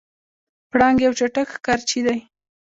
پړانګ یو چټک ښکارچی دی.